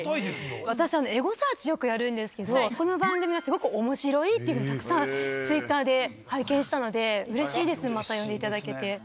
私はエゴサーチよくやるんですけど、すごくおもしろいというふうに、たくさんツイッターで拝見したので、うれしいです、また呼んでいただけて。